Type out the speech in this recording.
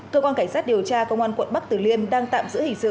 cơ quan cảnh sát điều tra công an quận bắc tử liêm đang tạm giữ hình sự